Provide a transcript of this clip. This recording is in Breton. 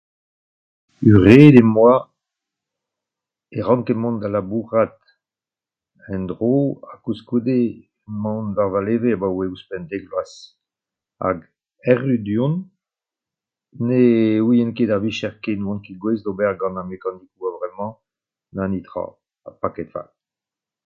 Hunvreet em boa e ranken mont da labourat en-dro ha koulskoude emaon war va leve abaoe ouzhpenn dek vloaz hag erru du-hont ne ouien ket ar vicher ken. 'Oan ket gouest d'ober gant ar mekanikoù a-vremañ, na netra.